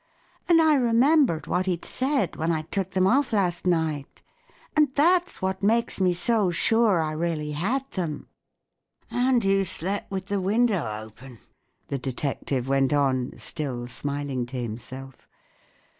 And I remembered what he'd said when I took them off last night; and that's what makes me so sure I really had them." "And you slept with the window open!" the detective went on, still smiling to himself.